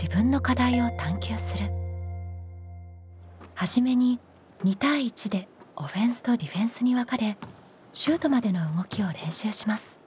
初めに２対１でオフェンスとディフェンスに分かれシュートまでの動きを練習します。